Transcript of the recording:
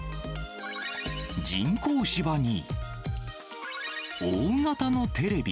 人工芝に、大型のテレビ。